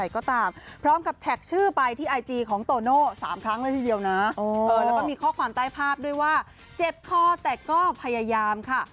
ก็แต่ก็พยายามค่ะ